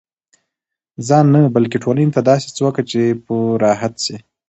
ځان نه، بلکي ټولني ته داسي څه وکه، چي په راحت سي.